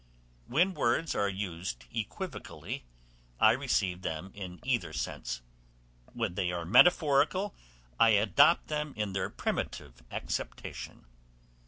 When words are used equivocally I receive them in either sense; when they are metaphorical, I adopt them in their primitive acceptation.